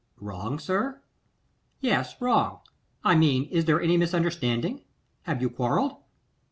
'Wrong, sir?' 'Yes, wrong? I mean, is there any misunderstanding? Have you quarrelled?